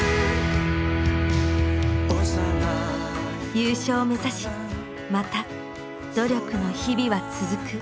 優勝を目指しまた努力の日々は続く。